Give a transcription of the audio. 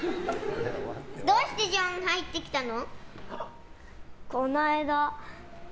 どうしてジョンが入ってきたの？